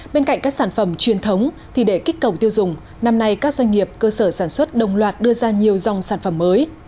bên cạnh các sản phẩm truyền thống thì để kích cầu tiêu dùng năm nay các doanh nghiệp cơ sở sản xuất đồng loạt đưa ra nhiều dòng sản phẩm mới